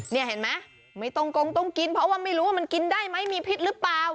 นี่เห็นไหมไม่ต้องกงต้องกินเพราะว่าไม่รู้ว่ามันกินได้ไหมมีพิษหรือเปล่า